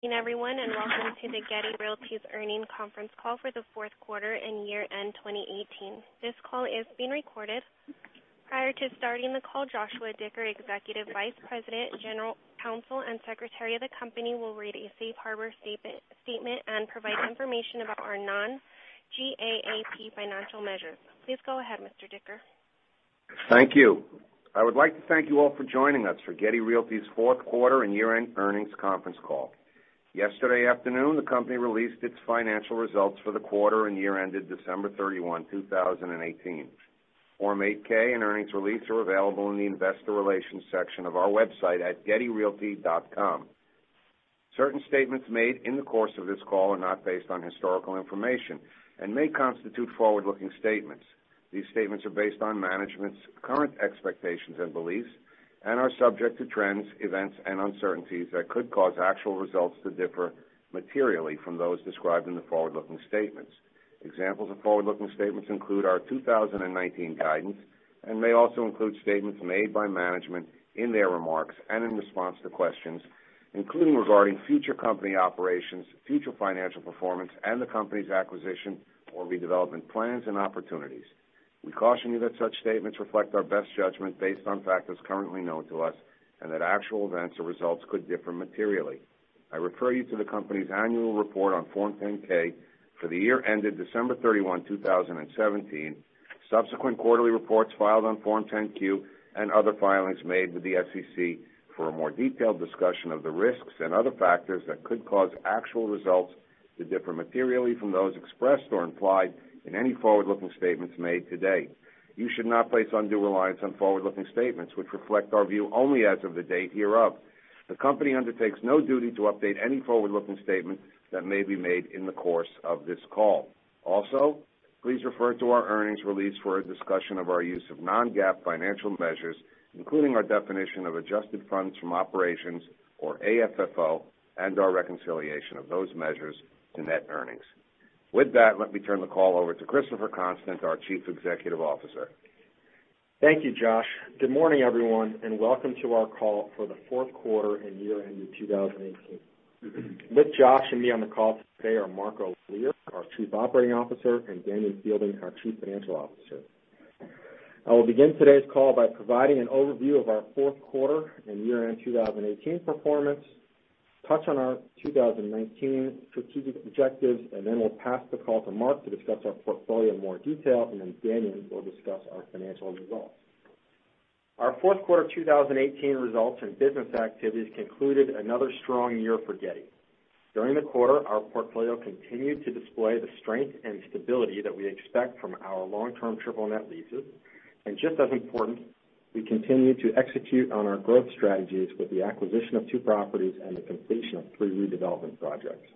Everyone, welcome to the Getty Realty's Earnings Conference Call for the Fourth Quarter and Year-End 2018. This call is being recorded. Prior to starting the call, Joshua Dicker, Executive Vice President, General Counsel, and Secretary of the company will read a safe harbor statement and provide information about our non-GAAP financial measures. Please go ahead, Mr. Dicker. Thank you. I would like to thank you all for joining us for Getty Realty's Fourth Quarter and Year-End Earnings Conference Call. Yesterday afternoon, the company released its financial results for the quarter and year ended December 31, 2018. Form 8-K and earnings release are available in the investor relations section of our website at gettyrealty.com. Certain statements made in the course of this call are not based on historical information and may constitute forward-looking statements. These statements are based on management's current expectations and beliefs and are subject to trends, events, and uncertainties that could cause actual results to differ materially from those described in the forward-looking statements. Examples of forward-looking statements include our 2019 guidance and may also include statements made by management in their remarks and in response to questions, including regarding future company operations, future financial performance, and the company's acquisition or redevelopment plans and opportunities. We caution you that such statements reflect our best judgment based on factors currently known to us, and that actual events or results could differ materially. I refer you to the company's annual report on Form 10-K for the year ended December 31, 2017, subsequent quarterly reports filed on Form 10-Q, and other filings made with the SEC for a more detailed discussion of the risks and other factors that could cause actual results to differ materially from those expressed or implied in any forward-looking statements made today. You should not place undue reliance on forward-looking statements, which reflect our view only as of the date hereof. The company undertakes no duty to update any forward-looking statement that may be made in the course of this call. Also, please refer to our earnings release for a discussion of our use of non-GAAP financial measures, including our definition of adjusted funds from operations, or AFFO, and our reconciliation of those measures to net earnings. With that, let me turn the call over to Christopher Constant, our Chief Executive Officer. Thank you, Josh. Good morning, everyone, and welcome to our call for the fourth quarter and year end of 2018. With Josh and me on the call today are Mark Olear, our Chief Operating Officer, and Danion Fielding, our Chief Financial Officer. I will begin today's call by providing an overview of our fourth quarter and year-end 2018 performance, touch on our 2019 strategic objectives, then we'll pass the call to Mark to discuss our portfolio in more detail, then Daniel will discuss our financial results. Our fourth quarter 2018 results and business activities concluded another strong year for Getty. During the quarter, our portfolio continued to display the strength and stability that we expect from our long-term triple net leases. Just as important, we continued to execute on our growth strategies with the acquisition of two properties and the completion of three redevelopment projects.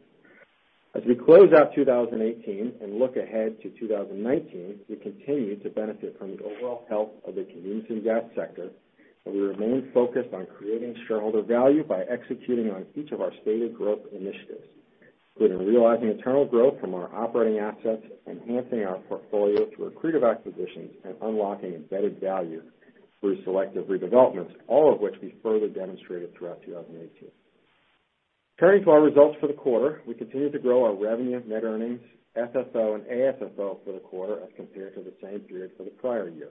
We close out 2018 and look ahead to 2019, we continue to benefit from the overall health of the convenience and gas sector, we remain focused on creating shareholder value by executing on each of our stated growth initiatives, including realizing internal growth from our operating assets, enhancing our portfolio through accretive acquisitions, unlocking embedded value through selective redevelopments, all of which we further demonstrated throughout 2018. Turning to our results for the quarter, we continued to grow our revenue, net earnings, FFO and AFFO for the quarter as compared to the same period for the prior year.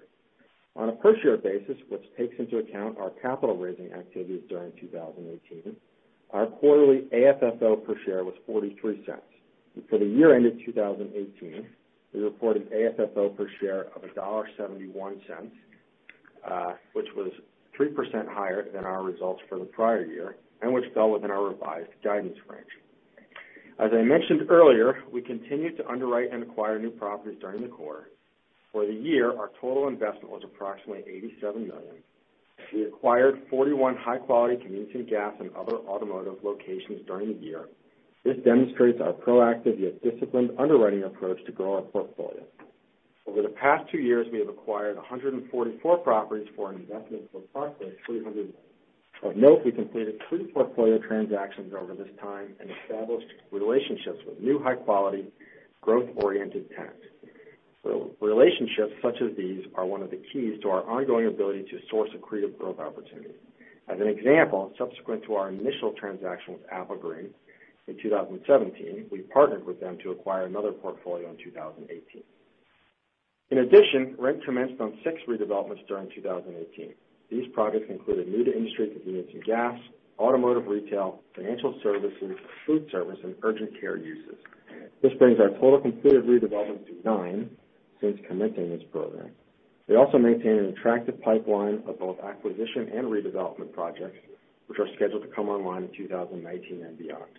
On a per-share basis, which takes into account our capital-raising activities during 2018, our quarterly AFFO per share was $0.43. For the year ended 2018, we reported AFFO per share of $1.71, which was 3%, higher than our results for the prior year, which fell within our revised guidance range. I mentioned earlier, we continued to underwrite and acquire new properties during the quarter. For the year, our total investment was approximately $87 million. We acquired 41 high-quality convenience and gas and other automotive locations during the year. This demonstrates our proactive yet disciplined underwriting approach to grow our portfolio. Over the past two years, we have acquired 144 properties for an investment of approximately $300 million. Of note, we completed three portfolio transactions over this time and established relationships with new high-quality, growth-oriented tenants. Relationships such as these are one of the keys to our ongoing ability to source accretive growth opportunities. An example, subsequent to our initial transaction with Applegreen in 2017, we partnered with them to acquire another portfolio in 2018. In addition, rent commenced on six redevelopments during 2018. These projects included new-to-industry convenience and gas, automotive retail, financial services, food service, and urgent care uses. This brings our total completed redevelopments to nine since commencing this program. We also maintain an attractive pipeline of both acquisition and redevelopment projects, which are scheduled to come online in 2019 and beyond.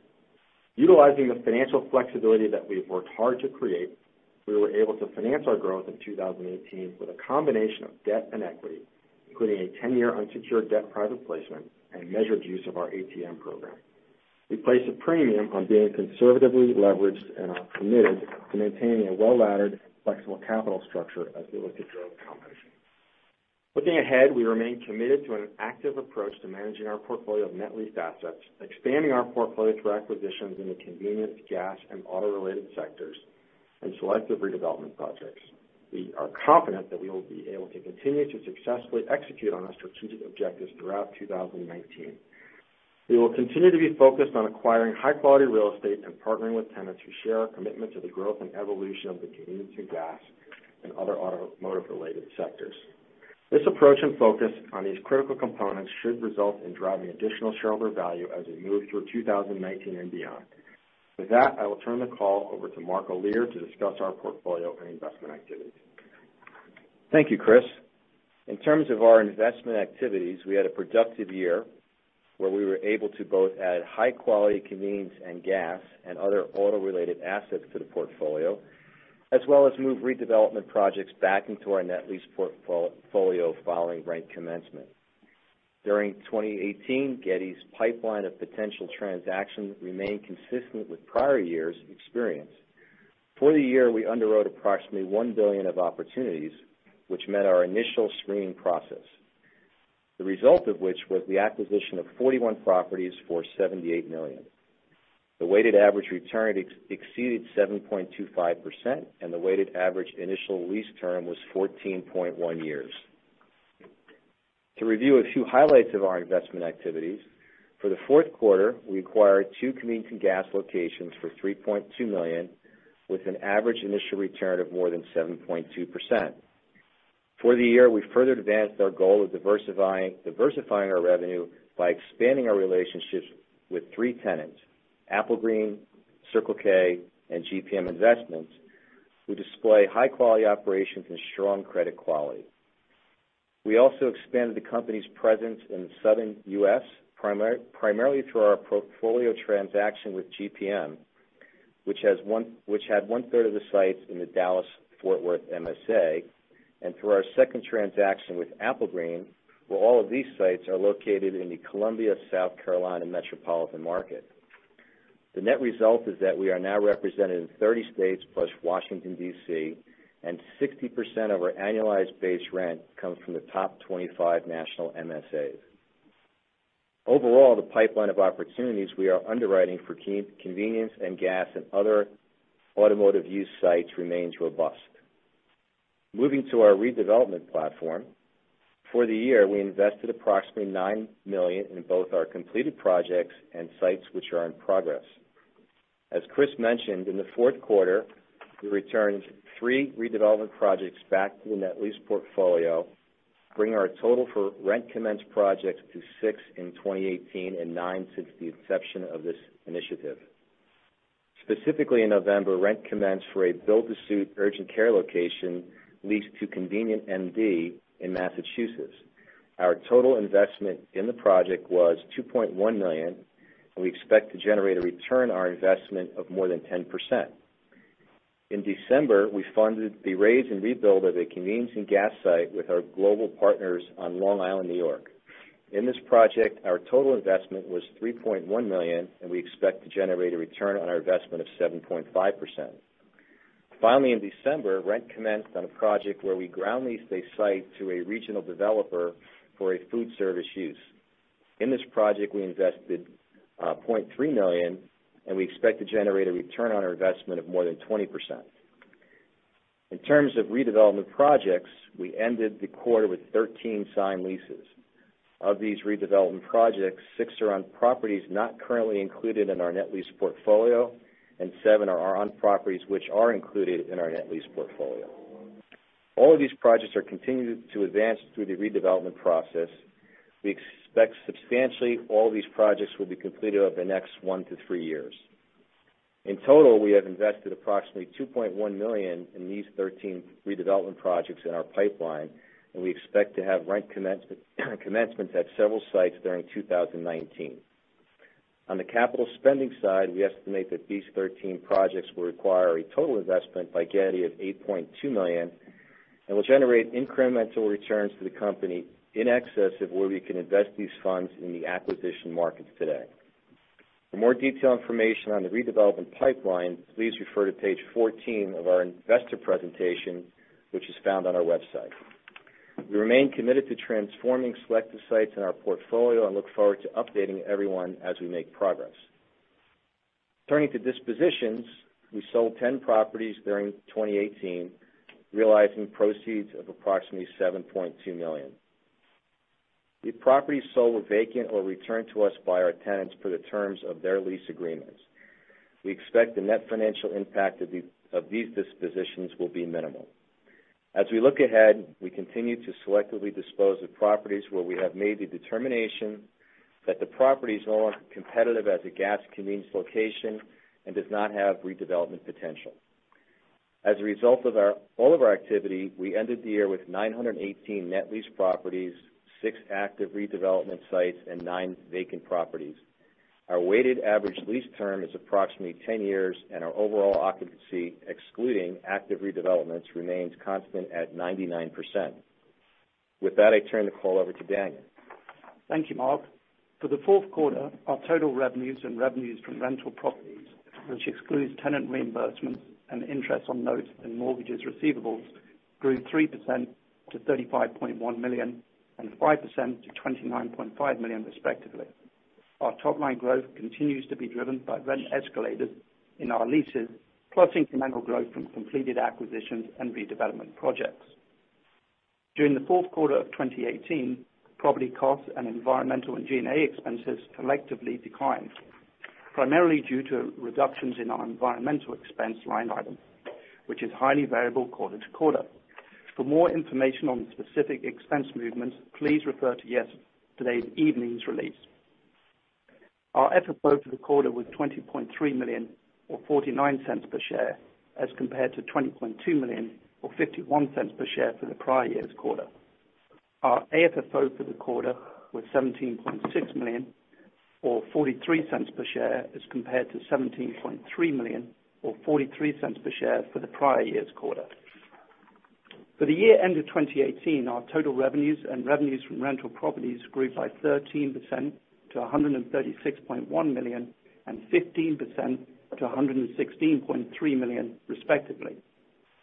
Utilizing the financial flexibility that we've worked hard to create, we were able to finance our growth in 2018 with a combination of debt and equity, including a 10-year unsecured debt private placement and measured use of our ATM program. We place a premium on being conservatively leveraged and are committed to maintaining a well-laddered, flexible capital structure as we look to grow the company. Looking ahead, we remain committed to an active approach to managing our portfolio of net leased assets, expanding our portfolio through acquisitions in the convenience, gas, and auto-related sectors. Selective redevelopment projects. We are confident that we will be able to continue to successfully execute on our strategic objectives throughout 2019. We will continue to be focused on acquiring high-quality real estate and partnering with tenants who share our commitment to the growth and evolution of the convenience and gas, and other automotive-related sectors. This approach and focus on these critical components should result in driving additional shareholder value as we move through 2019 and beyond. With that, I will turn the call over to Mark Olear to discuss our portfolio and investment activities. Thank you, Chris. In terms of our investment activities, we had a productive year where we were able to both add high-quality convenience and gas, and other auto-related assets to the portfolio, as well as move redevelopment projects back into our net lease portfolio following rent commencement. During 2018, Getty's pipeline of potential transactions remained consistent with prior years' experience. For the year, we underwrote approximately $1 billion of opportunities, which met our initial screening process. The result of which was the acquisition of 41 properties for $78 million. The weighted average return exceeded 7.25%, and the weighted average initial lease term was 14.1 years. To review a few highlights of our investment activities, for the fourth quarter, we acquired 2 convenience and gas locations for $3.2 million, with an average initial return of more than 7.2%. For the year, we further advanced our goal of diversifying our revenue by expanding our relationships with 3 tenants, Applegreen, Circle K, and GPM Investments, who display high-quality operations and strong credit quality. We also expanded the company's presence in the Southern U.S., primarily through our portfolio transaction with GPM, which had one-third of the sites in the Dallas-Fort Worth MSA, and through our second transaction with Applegreen, where all of these sites are located in the Columbia, South Carolina metropolitan market. The net result is that we are now represented in 30 states, plus Washington, D.C., and 60%, of our annualized base rent comes from the top 25 national MSAs. Overall, the pipeline of opportunities we are underwriting for convenience and gas and other automotive-use sites remains robust. Moving to our redevelopment platform. For the year, we invested approximately $9 million in both our completed projects and sites which are in progress. As Chris mentioned, in the fourth quarter, we returned 3 redevelopment projects back to the net lease portfolio, bringing our total for rent commence projects to 6 in 2018 and 9 since the inception of this initiative. Specifically in November, rent commenced for a build-to-suit urgent care location leased to ConvenientMD in Massachusetts. Our total investment in the project was $2.1 million, and we expect to generate a return on our investment of more than 10%. In December, we funded the raise and rebuild of a convenience and gas site with our Global Partners on Long Island, New York. In this project, our total investment was $3.1 million, and we expect to generate a return on our investment of 7.5%. In December, rent commenced on a project where we ground leased a site to a regional developer for a food service use. In this project, we invested $0.3 million, and we expect to generate a return on our investment of more than 20%. In terms of redevelopment projects, we ended the quarter with 13 signed leases. Of these redevelopment projects, six are on properties not currently included in our net lease portfolio, and seven are on properties which are included in our net lease portfolio. All of these projects are continuing to advance through the redevelopment process. We expect substantially all these projects will be completed over the next one to three years. In total, we have invested approximately $2.1 million in these 13 redevelopment projects in our pipeline, and we expect to have rent commencement at several sites during 2019. On the capital spending side, we estimate that these 13 projects will require a total investment by Getty of $8.2 million and will generate incremental returns to the company in excess of where we can invest these funds in the acquisition markets today. For more detailed information on the redevelopment pipeline, please refer to page 14 of our investor presentation, which is found on our website. We remain committed to transforming selective sites in our portfolio and look forward to updating everyone as we make progress. Turning to dispositions, we sold 10 properties during 2018, realizing proceeds of approximately $7.2 million. The properties sold were vacant or returned to us by our tenants per the terms of their lease agreements. We expect the net financial impact of these dispositions will be minimal. As we look ahead, we continue to selectively dispose of properties where we have made the determination that the property is no longer competitive as a gas convenience location and does not have redevelopment potential. As a result of all of our activity, we ended the year with 918 net leased properties, six active redevelopment sites, and nine vacant properties. Our weighted average lease term is approximately 10 years, and our overall occupancy, excluding active redevelopments, remains constant at 99%. With that, I turn the call over to Daniel. Thank you, Mark. For the fourth quarter, our total revenues and revenues from rental properties, which excludes tenant reimbursements and interest on notes and mortgages receivables, grew 3%, to $35.1 million and 5%, to $29.5 million respectively. Our top-line growth continues to be driven by rent escalators in our leases, plus incremental growth from completed acquisitions and redevelopment projects. During the fourth quarter of 2018, property costs and environmental and G&A expenses collectively declined, primarily due to reductions in our environmental expense line item, which is highly variable quarter to quarter. For more information on specific expense movements, please refer to today's evening's release. Our FFO for the quarter was $20.3 million, or $0.49 per share, as compared to $20.2 million or $0.51 per share for the prior year's quarter. Our AFFO for the quarter was $17.6 million, or $0.43 per share, as compared to $17.3 million or $0.43 per share for the prior year's quarter. For the year ended 2018, our total revenues and revenues from rental properties grew by 13%, to $136.1 million and 15%, to $116.3 million respectively.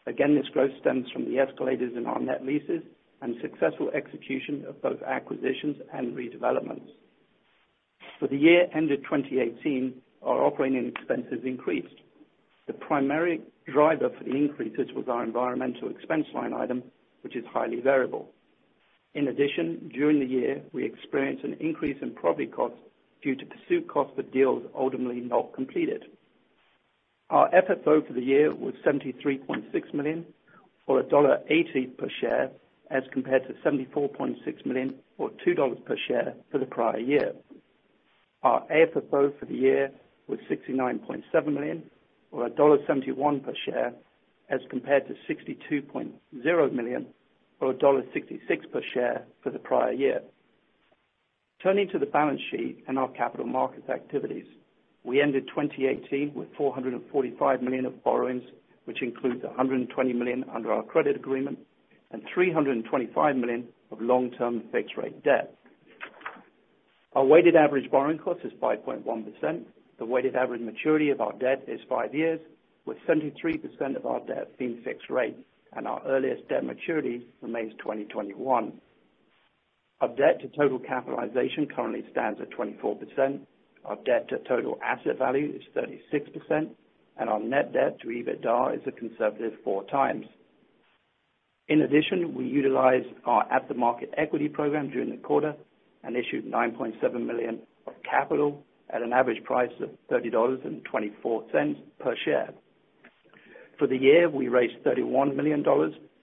This growth stems from the escalators in our net leases and successful execution of both acquisitions and redevelopments. For the year ended 2018, our operating expenses increased. The primary driver for the increases was our environmental expense line item, which is highly variable. In addition, during the year, we experienced an increase in property costs due to pursuit costs for deals ultimately not completed. Our FFO for the year was $73.6 million, or $1.80 per share, as compared to $74.6 million or $2 per share for the prior year. Our AFFO for the year was $69.7 million or $1.71 per share, as compared to $62.0 million or $1.66 per share for the prior year. Turning to the balance sheet and our capital markets activities, we ended 2018 with $445 million of borrowings, which includes $120 million under our credit agreement and $325 million of long-term fixed rate debt. Our weighted average borrowing cost is 5.1%. The weighted average maturity of our debt is five years, with 73%, of our debt being fixed rate, and our earliest debt maturity remains 2021. Our debt to total capitalization currently stands at 24%. Our debt to total asset value is 36%, and our net debt to EBITDA is a conservative four times. In addition, we utilized our at-the-market equity program during the quarter and issued $9.7 million of capital at an average price of $30.24 per share. For the year, we raised $31 million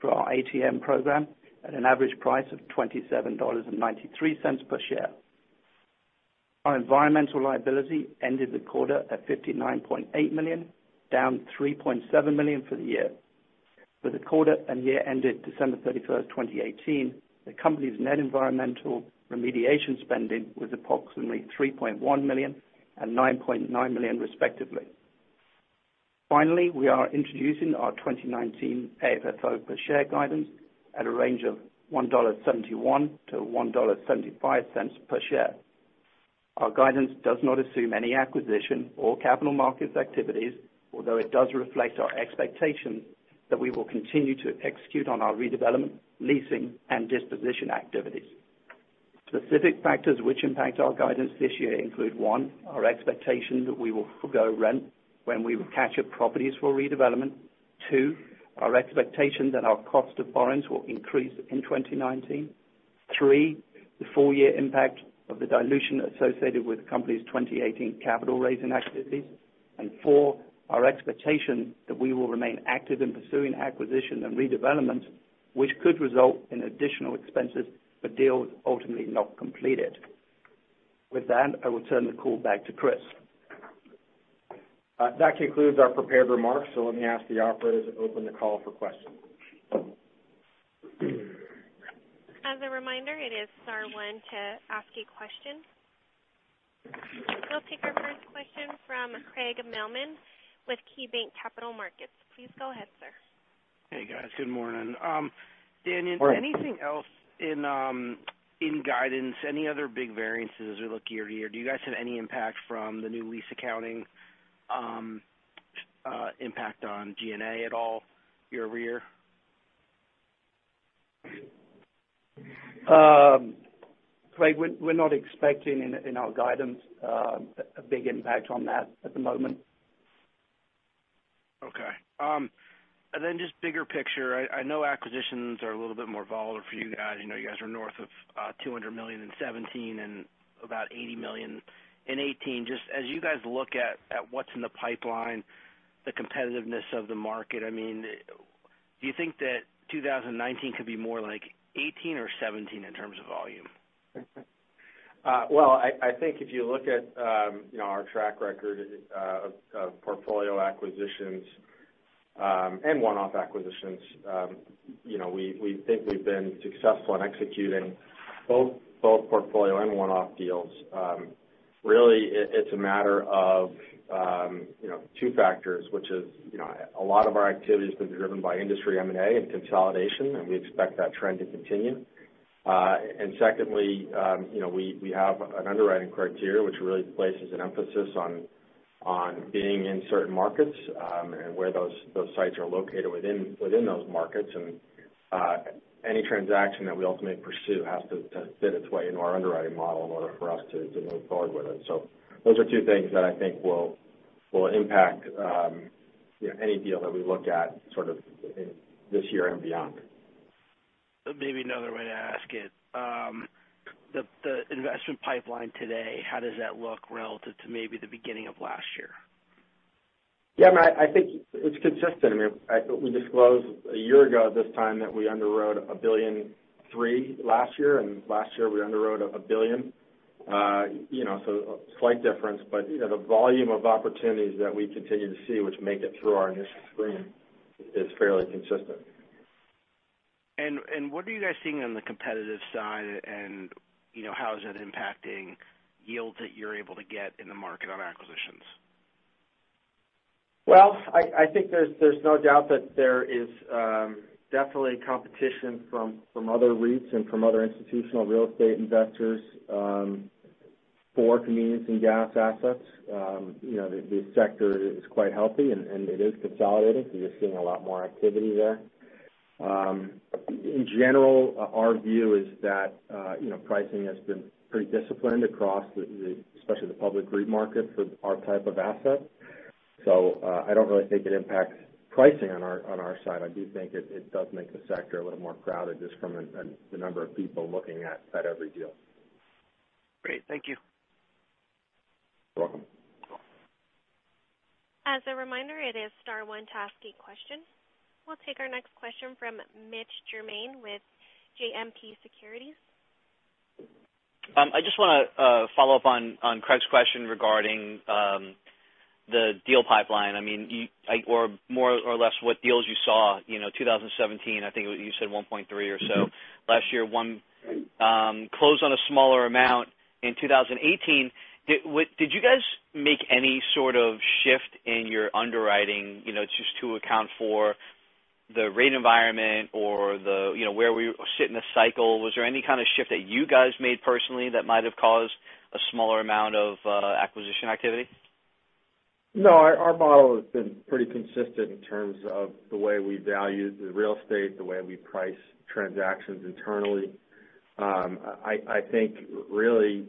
for our ATM program at an average price of $27.93 per share. Our environmental liability ended the quarter at $59.8 million, down $3.7 million for the year. For the quarter and year ended December 31st, 2018, the company's net environmental remediation spending was approximately $3.1 million and $9.9 million respectively. Finally, we are introducing our 2019 AFFO per share guidance at a range of $1.71 to $1.75 per share. Our guidance does not assume any acquisition or capital markets activities, although it does reflect our expectation that we will continue to execute on our redevelopment, leasing, and disposition activities. Specific factors which impact our guidance this year include, one, our expectation that we will forgo rent when we capture properties for redevelopment. Two, our expectation that our cost of borrowings will increase in 2019. Three, the full year impact of the dilution associated with the company's 2018 capital raising activities. four, our expectation that we will remain active in pursuing acquisition and redevelopment, which could result in additional expenses for deals ultimately not completed. With that, I will turn the call back to Chris. That concludes our prepared remarks, so let me ask the operator to open the call for questions. As a reminder, it is star one to ask a question. We'll take our first question from Craig Mailman with KeyBanc Capital Markets. Please go ahead, sir. Hey, guys. Good morning. Morning. Dan, anything else in guidance, any other big variances as we look year-to-year? Do you guys have any impact from the new lease accounting impact on G&A at all year-to-year? Craig, we're not expecting in our guidance a big impact on that at the moment. Okay. Just bigger picture. I know acquisitions are a little bit more volatile for you guys. I know you guys are north of $200 million in 2017 and about $80 million in 2018. Just as you guys look at what's in the pipeline, the competitiveness of the market, do you think that 2019 could be more like 2018 or 2017 in terms of volume? Well, I think if you look at our track record of portfolio acquisitions and one-off acquisitions, we think we've been successful in executing both portfolio and one-off deals. Really, it's a matter of two factors, which is a lot of our activity has been driven by industry M&A and consolidation, and we expect that trend to continue. Secondly, we have an underwriting criteria which really places an emphasis on being in certain markets, and where those sites are located within those markets. Any transaction that we ultimately pursue has to fit its way into our underwriting model in order for us to move forward with it. Those are two things that I think will impact any deal that we look at sort of this year and beyond. Maybe another way to ask it, the investment pipeline today, how does that look relative to maybe the beginning of last year? Yeah, Mark, I think it's consistent. I mean, we disclosed a year ago at this time that we underwrote $1.3 billion last year, and last year we underwrote $1 billion. A slight difference, but the volume of opportunities that we continue to see, which make it through our initial screen, is fairly consistent. What are you guys seeing on the competitive side? How is that impacting yields that you're able to get in the market on acquisitions? Well, I think there's no doubt that there is definitely competition from other REITs and from other institutional real estate investors for convenience and gas assets. The sector is quite healthy, it is consolidating, you're seeing a lot more activity there. In general, our view is that pricing has been pretty disciplined across especially the public REIT market for our type of asset. I don't really think it impacts pricing on our side. I do think it does make the sector a little more crowded, just from a number of people looking at every deal. Great. Thank you. You're welcome. As a reminder, it is star one to ask a question. We'll take our next question from Mitch Germain with JMP Securities. I just want to follow up on Craig's question regarding the deal pipeline. More or less what deals you saw, 2017, I think you said $1.3 or so. Last year, one closed on a smaller amount in 2018. Did you guys make any sort of shift in your underwriting, just to account for the rate environment or where we sit in the cycle? Was there any kind of shift that you guys made personally that might have caused a smaller amount of acquisition activity? No, our model has been pretty consistent in terms of the way we value the real estate, the way we price transactions internally. I think really,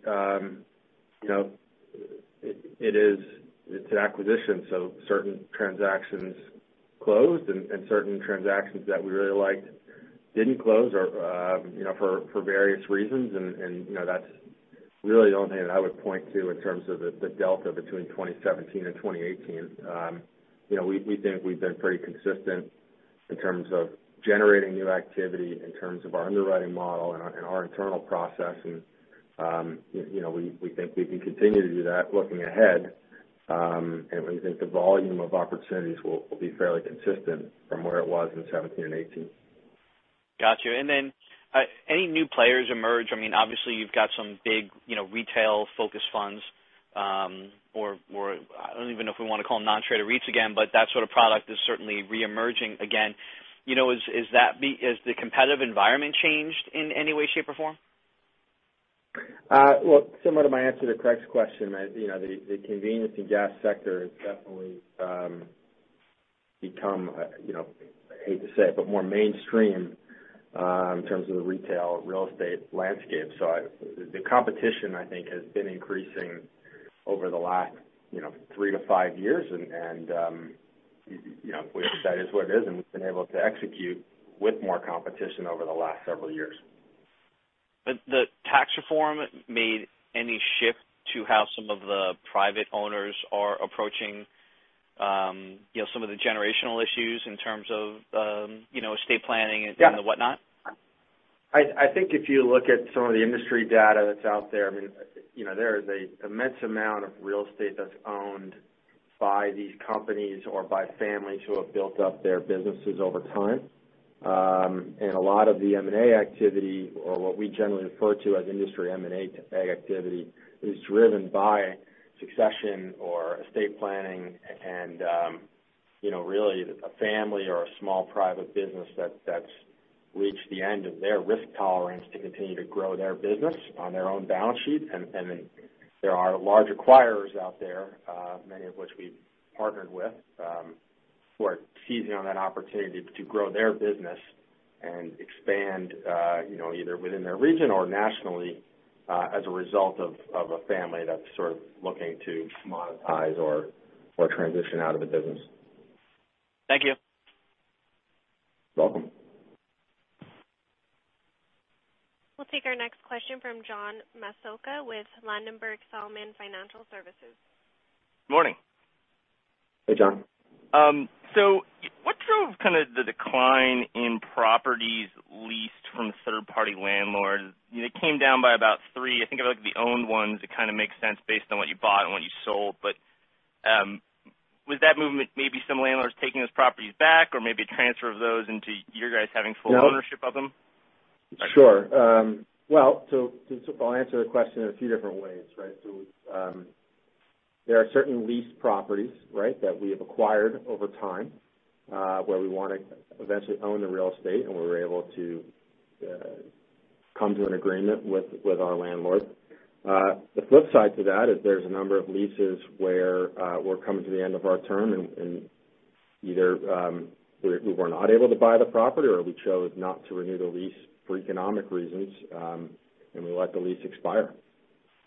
it's an acquisition. Certain transactions closed and certain transactions that we really liked didn't close for various reasons. That's really the only thing that I would point to in terms of the delta between 2017 and 2018. We think we've been pretty consistent in terms of generating new activity, in terms of our underwriting model and our internal process, and we think we can continue to do that looking ahead. We think the volume of opportunities will be fairly consistent from where it was in 2017 and 2018. Got you. Any new players emerge? Obviously, you've got some big retail-focused funds, or I don't even know if we want to call them non-traded REIT's again, but that sort of product is certainly re-emerging again. Has the competitive environment changed in any way, shape, or form? Well, similar to my answer to Craig's question, the convenience and gas sector has definitely become, I hate to say it, but more mainstream in terms of the retail real estate landscape. The competition, I think, has been increasing over the last three to five years, and that is what it is, and we've been able to execute with more competition over the last several years. Has the tax reform made any shift to how some of the private owners are approaching some of the generational issues in terms of estate planning and whatnot? Yeah. I think if you look at some of the industry data that's out there is a immense amount of real estate that's owned by these companies or by families who have built up their businesses over time. A lot of the M&A activity or what we generally refer to as industry M&A activity, is driven by succession or estate planning and really a family or a small private business that's reached the end of their risk tolerance to continue to grow their business on their own balance sheet. There are large acquirers out there, many of which we've partnered with, who are seizing on that opportunity to grow their business and expand either within their region or nationally as a result of a family that's sort of looking to monetize or transition out of a business. Thank you. You're welcome. We'll take our next question from John Massocca with Ladenburg Thalmann Financial Services. Morning. Hey, John. What drove kind of the decline in properties leased from third-party landlords? It came down by about three. I think of the owned ones, it kind of makes sense based on what you bought and what you sold. Was that movement maybe some landlords taking those properties back or maybe a transfer of those into you guys having full ownership of them? Sure. I'll answer the question in a few different ways, right? There are certain leased properties that we have acquired over time, where we want to eventually own the real estate, and we were able to come to an agreement with our landlord. The flip side to that is there's a number of leases where we're coming to the end of our term and either we were not able to buy the property, or we chose not to renew the lease for economic reasons, and we let the lease expire.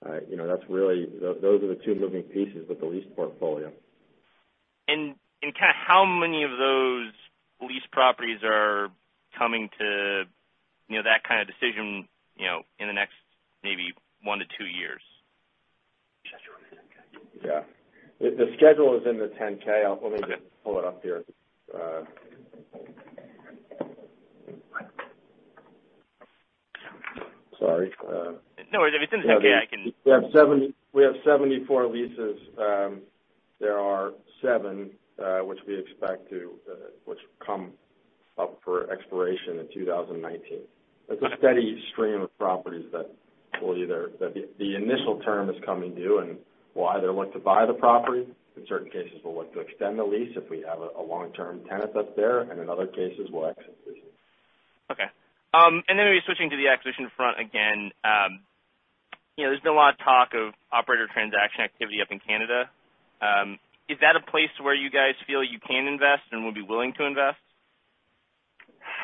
Those are the two moving pieces with the lease portfolio. How many of those lease properties are coming to that kind of decision, in the next maybe one to two years? Yeah. The schedule is in the 10-K. Let me just pull it up here. Sorry. No worries. If it's in the 10-K, I can- We have 74 leases. There are seven, which will come up for expiration in 2019. It's a steady stream of properties that the initial term is coming due, and we'll either look to buy the property. In certain cases, we'll look to extend the lease if we have a long-term tenant that's there, and in other cases, we'll exit the lease. Okay. Maybe switching to the acquisition front again. There's been a lot of talk of operator transaction activity up in Canada. Is that a place where you guys feel you can invest and would be willing to invest?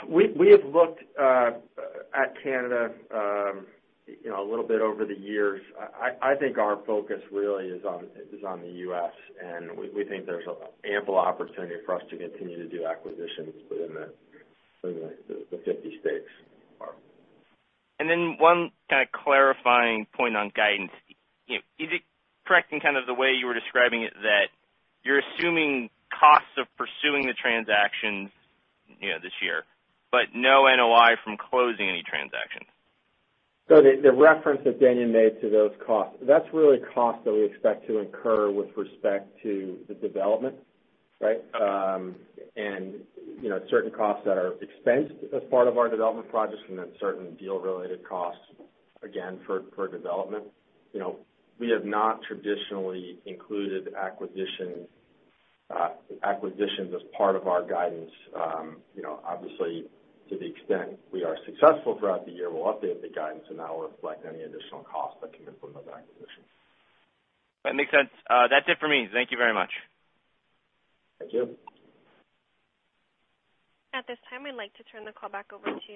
We have looked at Canada a little bit over the years. I think our focus really is on the U.S., and we think there's ample opportunity for us to continue to do acquisitions within the 50 states. One kind of clarifying point on guidance. Is it correct in kind of the way you were describing it, that you're assuming costs of pursuing the transactions this year, but no NOI from closing any transactions? The reference that Daniel made to those costs, that's really cost that we expect to incur with respect to the development, right? Certain costs that are expensed as part of our development projects certain deal-related costs, again, for development. We have not traditionally included acquisitions as part of our guidance. Obviously, to the extent we are successful throughout the year, we'll update the guidance, that will reflect any additional costs that can implement acquisitions. That makes sense. That's it for me. Thank you very much. Thank you. At this time, I'd like to turn the call back over to.